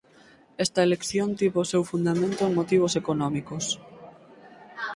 Esta elección tivo o seu fundamento en motivos económicos.